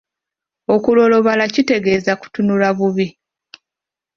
Okulolobala kitegeeza kutunula bubi.